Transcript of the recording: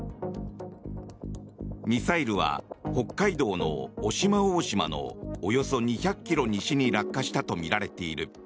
ミサイルは北海道の渡島大島のおよそ２００ｋｍ西に落下したとみられている。